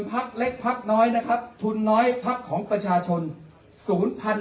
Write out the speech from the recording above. พักเล็กพักน้อยนะครับทุนน้อยพักของประชาชนศูนย์พัน